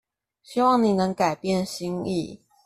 希望你能改變心意